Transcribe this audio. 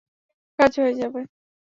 কাজ হয়ে যাবে।